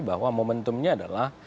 bahwa momentumnya adalah